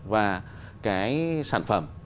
và cái sản phẩm